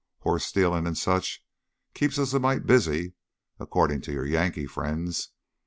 Horse stealin' and such keeps us a mite busy, accordin' to your Yankee friends.